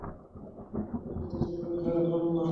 নবীর জাতি, জুলেখার কন্যা।